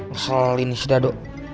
ngeselin si dadu